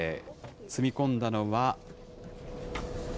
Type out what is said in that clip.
積み込んだのは。